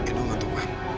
edo ngantuk ma